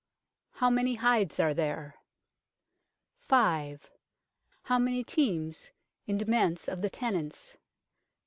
How many hides are there ? 5. How many teams in demesne of the tenants